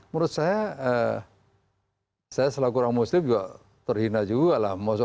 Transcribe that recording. menurut saya saya selaku orang muslim juga terhina juga lah